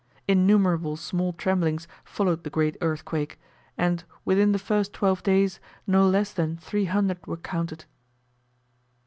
Innumerable small tremblings followed the great earthquake, and within the first twelve days no less than three hundred were counted.